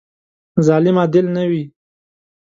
ظالم عادل نه وي.